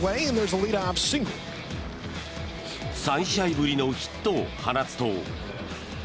３試合ぶりのヒットを放つと。